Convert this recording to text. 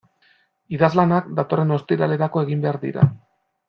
Idazlanak datorren ostiralerako egin behar dira.